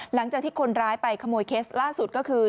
หลังจากที่คนร้ายไปขโมยเคสล่าสุดก็คือ